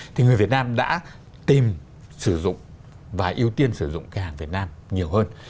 thì người việt nam đã tìm sử dụng và ưu tiên sử dụng cái hàng việt nam nhiều hơn